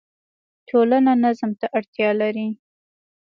ټولنه نظم ته اړتیا لري.